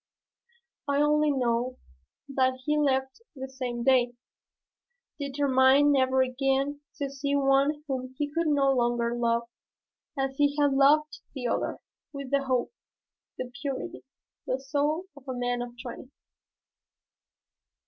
I only know that he left the same day, determined never again to see one whom he could no longer love as he had loved the other, with the hope, the purity, the soul of a man of twenty."